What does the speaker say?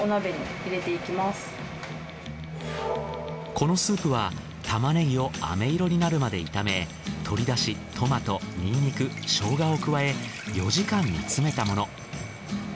このスープはタマネギを飴色になるまで炒め鶏だしトマトにんにくショウガを加え４時間煮詰めたもの。